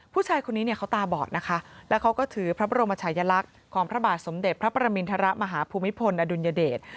ผู้ชายคนนี้เนี่ยเขาตาบอดนะคะแล้วเขาก็ถือพระบรมชายลักษณ์ของพระบาทสมเด็จพระประมินทรมาฮภูมิพลอดุลยเดช